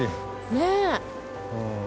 ねえ。